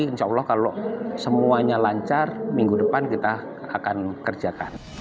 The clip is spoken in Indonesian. insya allah kalau semuanya lancar minggu depan kita akan kerjakan